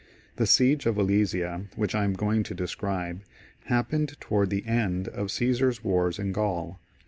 ^ The siege of Alesia, which I am going to describe, hap pened towards the end of Caesar's wars in Gaul.